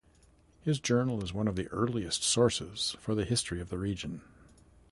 His journal is one of the earliest sources for the history of the region.